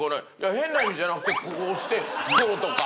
変な意味じゃなくてこうしてこうとか。